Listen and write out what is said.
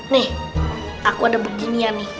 nih aku ada beginian nih